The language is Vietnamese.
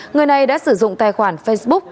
người này đã sử dụng tài khoản facebook